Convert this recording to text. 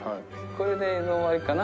これで映像終わりかな。